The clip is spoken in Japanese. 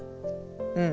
うん。